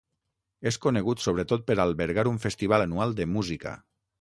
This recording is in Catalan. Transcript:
És conegut sobretot per albergar un festival anual de música.